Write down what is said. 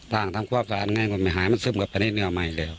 ตามทำความมั่นแย่ผมไม่หายมันซึมไหนออกมากี๊